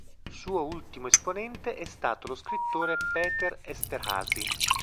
Suo ultimo esponente è stato lo scrittore Péter Esterházy.